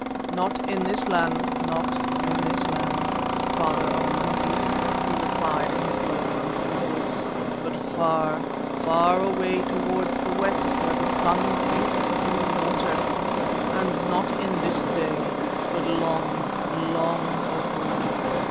"Not in this land, not in this land, Father of Monkeys," he replied in his low rumbling voice, "but far, far away towards the west where the sun sinks in the water; and not in this day, but long, long ago.